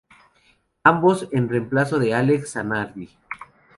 Ambos en remplazo de Alex Zanardi.